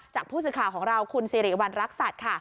จากผู้สื่อข่าวของเราคุณสิริวัณรักษัตริย์ค่ะ